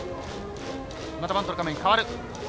またバントの構えに変わる。